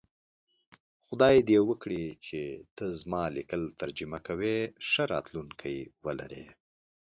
خدای دی وکړی چی ته زما لیکل ترجمه کوی ښه راتلونکی ولری